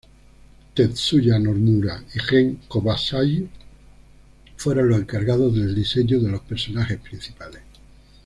Tetsuya Nomura y Gen Kobayashi fueron los encargados del diseño de los personajes principales.